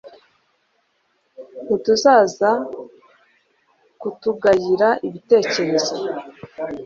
ntituza kutugayira ibitekerezo